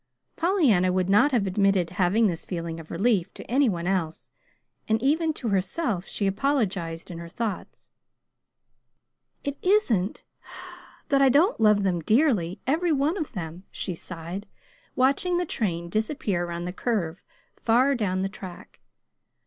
Pollyanna would not have admitted having this feeling of relief to any one else, and even to herself she apologized in her thoughts. "It isn't that I don't love them dearly, every one of them," she sighed, watching the train disappear around the curve far down the track.